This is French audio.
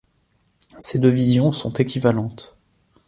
Ces deux visions sont équivalentes.